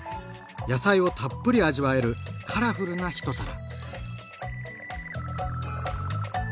野菜をたっぷり味わえるカラフルな一皿！